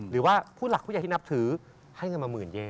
แต่เขาตัดได้มั้ยอันนี้อย่างนี้อย่างนี้